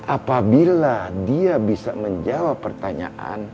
apabila dia bisa menjawab pertanyaan